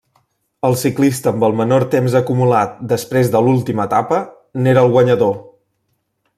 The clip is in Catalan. El ciclista amb el menor temps acumulat després de l'última etapa n'era el guanyador.